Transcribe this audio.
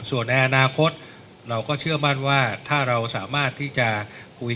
ส่วนในอนาคตเราก็เชื่อมั่นว่าถ้าเราสามารถที่จะคุย